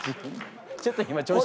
ちょっと今調子。